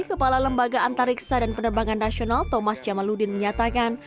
kepala lembaga antariksa dan penerbangan nasional thomas jamaludin menyatakan